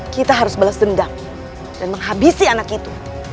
kita harus balas dendam dan menghabisi anak itu